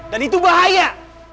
dan itu bahaya